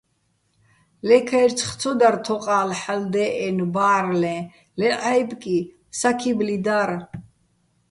ლე ქაჲრცხი̆ ცო დარ თოყა́ლ ჰ̦ალო̆ დე́ჸენო̆ ბა́რლეჼ, ლე ჺა́ჲბკი, საქიბლი დარ.